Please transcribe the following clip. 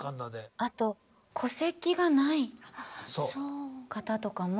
あと戸籍がない方とかも。